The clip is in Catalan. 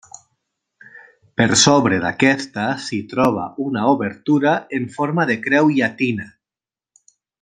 Per sobre d'aquesta s'hi troba una obertura en forma de creu llatina.